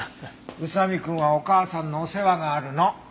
宇佐見くんはお母さんのお世話があるの。